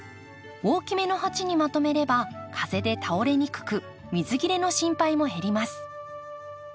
大きめの鉢にまとめれば風で倒れにくく水切れの心配も減ります。